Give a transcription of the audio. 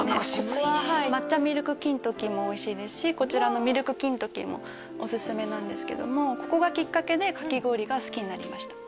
ここははい抹茶ミルク金時もおいしいですしこちらのミルク金時もおすすめなんですけどもここがきっかけでかき氷が好きになりました